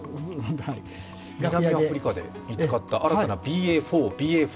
南アフリカで見つかった新たなＢＡ．４、ＢＡ．５。